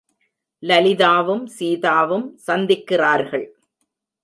லலிதாவும் சீதாவும் சந்திக்கிறார்கள்.